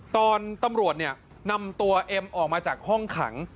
ตอนตำรวจเนี่ยนำตัวเอ็มออกมาจากห้องขัง